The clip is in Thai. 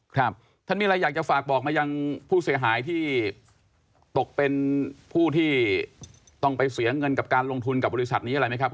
ครับท่านมีอะไรอยากจะฝากบอกมายังผู้เสียหายที่ตกเป็นผู้ที่ต้องไปเสียเงินกับการลงทุนกับบริษัทนี้อะไรไหมครับ